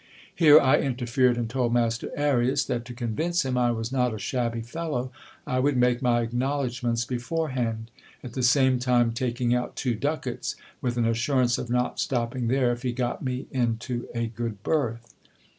Here I interfered, and told Master Arias, that to convince him I was not a shabby fellow, I would make my acknowledgments beforehand ; at the same time taking out two ducats, with an assurance of not stopping there if he got me into a good berth.